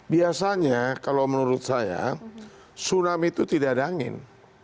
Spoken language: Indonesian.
biasanya kalau menurut saya tsunami itu tidak ada angin